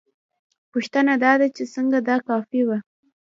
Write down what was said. پوښتنه دا ده چې څنګه دا کافي وه؟